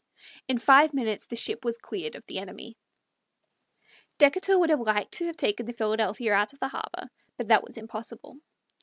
In five minutes the ship was cleared of the enemy. Decatur would have liked to have taken the Philadelphia out of the harbor, but that was impossible.